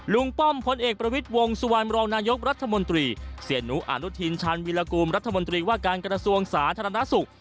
ป้อมพลเอกประวิทย์วงสุวรรณรองนายกรัฐมนตรีเสียหนูอนุทินชาญวิรากูลรัฐมนตรีว่าการกระทรวงสาธารณสุข